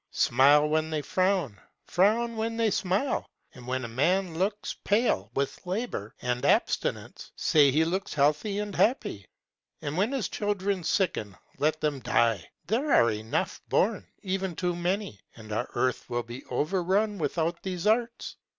Smile when they frown, frown when they smile; and when a man looks pale With labour and abstinence, say he looks healthy and happy; And when his children sicken, let them die; there are enough Born, even too many, and our earth will be overrun Without these arts.